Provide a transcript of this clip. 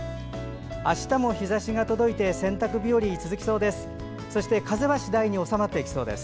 あしたも日ざしが届いて洗濯日和が続きそうです。